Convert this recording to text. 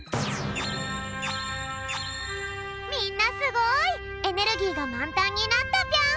みんなすごい！エネルギーがまんたんになったぴょん。